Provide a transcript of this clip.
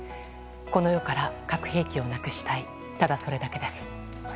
この世から核兵器をなくしたいただそれだけです。